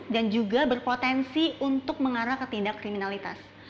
dan juga berpotensi untuk mengarah ke tindak kriminalitas